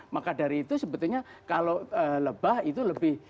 maka dari itu sebetulnya kalau lebah itu lebih